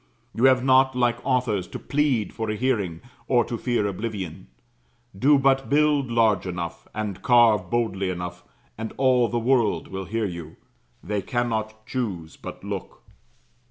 You have not, like authors, to plead for a hearing, or to fear oblivion. Do but build large enough, and carve boldly enough, and all the world will hear you; they cannot choose but look.